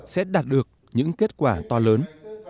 sẽ đạt được những kết quả to lớn